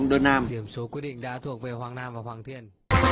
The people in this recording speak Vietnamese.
điểm số quyết định đã thuộc về hoàng nam và hoàng thiên